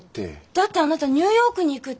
だってあなたニューヨークに行くって。